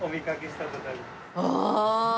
ああ！